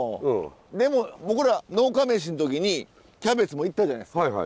でも僕ら「農家メシ！」の時にキャベツも行ったじゃないですか。